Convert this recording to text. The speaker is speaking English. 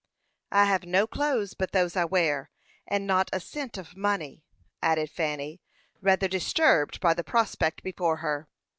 "I have no clothes but those I wear, and not a cent of money," added Fanny, rather disturbed by the prospect before her.